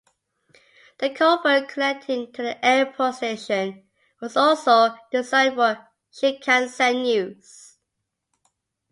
The culvert connecting to the airport station was also designed for Shinkansen use.